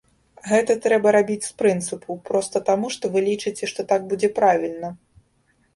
Гэта трэба рабіць з прынцыпу, проста таму, што вы лічыце, што так будзе правільна.